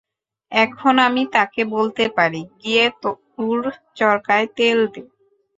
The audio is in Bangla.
এখন আমি তাকে বলতে পারি, গিয়ে তুর চরকায় তেল দে।